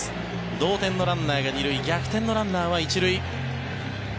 同点のランナーが２塁逆転のランナーは１塁。